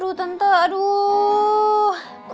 aduh tante aduh